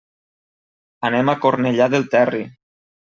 Anem a Cornellà del Terri.